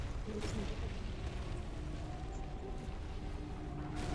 nina sababisha sasa baada ya miaka kadhaa